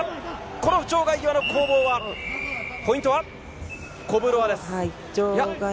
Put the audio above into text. この場外への攻防、ポイントはコブロワです。